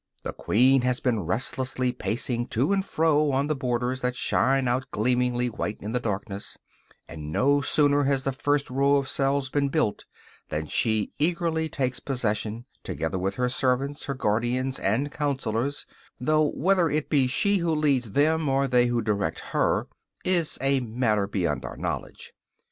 The queen has been restlessly pacing to and fro on the borders that shine out gleamingly white in the darkness; and no sooner has the first row of cells been built than she eagerly takes possession, together with her servants, her guardians and counselors though whether it be she who leads them, or they who direct her, is a matter beyond our knowledge.